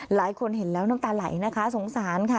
หลายคนเห็นแล้วน้ำตาไหลนะคะสงสารค่ะ